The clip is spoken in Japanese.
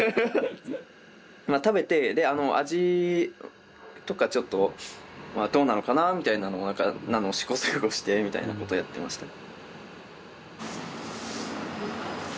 まあ食べて味とかちょっとどうなのかなみたいなのを試行錯誤してみたいなことをやってましたね。